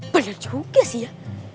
bener juga sih ya